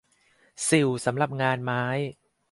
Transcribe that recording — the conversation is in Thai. สิ่วสำหรับงานไม้